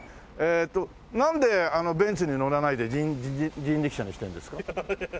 なんでベンツに乗らないで人力車にしてるんですか？